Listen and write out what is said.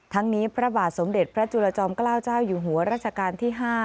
ทั้งนี้พระบาทสมเด็จพระจุลจอมเกล้าเจ้าอยู่หัวรัชกาลที่๕